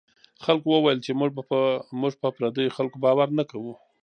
خلکو وویل چې موږ په پردیو خلکو باور نه کوو.